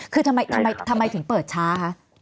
คือทำไมถึงเปิดช้าคะ